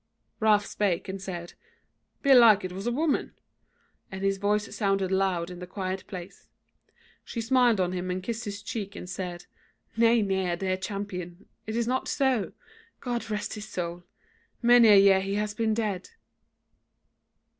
Ralph spake and said: "Belike it was a woman;" and his voice sounded loud in the quiet place. She smiled on him and kissed his cheek, and said: "Nay, nay, dear Champion, it is not so. God rest his soul! many a year he has been dead."